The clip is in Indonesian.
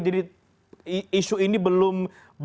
jadi isu ini belum